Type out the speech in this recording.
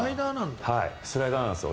スライダーなんですよ。